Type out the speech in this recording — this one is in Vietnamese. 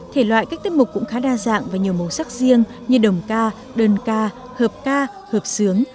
thể loại các tiết mục cũng khá đa dạng và nhiều màu sắc riêng như đồng ca đơn ca hợp ca hợp sướng